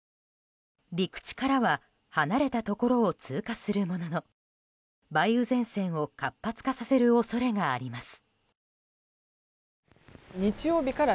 陸地からは離れたところを通過するものの梅雨前線を活発化させる恐れがあります。